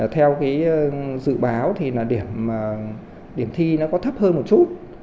theo dự báo thì điểm thi có thấp hơn một chút